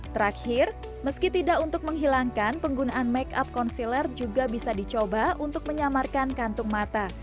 terakhir meski tidak untuk menghilangkan penggunaan make up konseler juga bisa dicoba untuk menyamarkan kantung mata